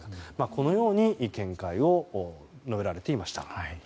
このような見解を述べられていました。